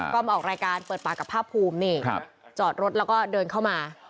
ก็มาออกรายการเปิดปากกับภาคภูมินี่จอดรถแล้วก็เดินเข้ามา